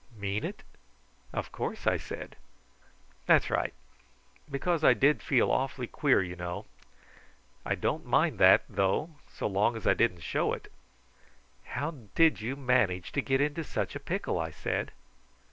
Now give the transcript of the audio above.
"Mean it?" "Of course," I said. "That's right; because I did feel awfully queer, you know. I don't mind that though so long as I didn't show it." "How did you manage to get into such a pickle?" I said.